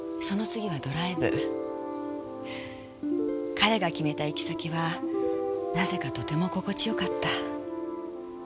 彼が決めた行き先はなぜかとても心地よかった。